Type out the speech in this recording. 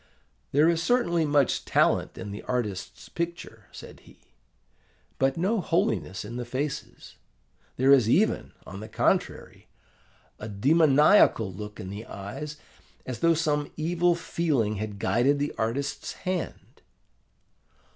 'There is certainly much talent in this artist's picture,' said he, 'but no holiness in the faces: there is even, on the contrary, a demoniacal look in the eyes, as though some evil feeling had guided the artist's hand.